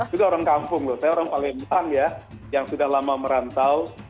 sudah orang kampung loh saya orang panggilan yang sudah lama merantau